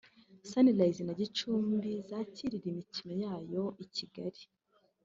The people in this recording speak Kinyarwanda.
Sunrise na Gicumbi zakirire imikino yayo i Kigali